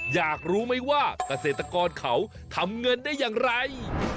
อยากรู้ไหมว่าเกษตรกรเขาทำเงินได้อย่างไร